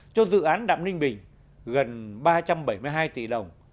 cho dự án đạm ninh bình gần ba trăm bảy mươi hai tỷ đồng